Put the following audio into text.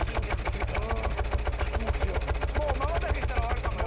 もう瞬きしたら終わるかもよ。